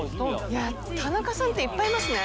田中さんっていっぱいいますね。